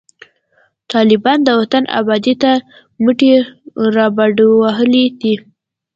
طالبان د وطن آبادۍ ته مټي رابډوهلي دي